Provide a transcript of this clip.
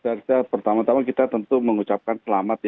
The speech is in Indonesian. saya rasa pertama tama kita tentu mengucapkan selamat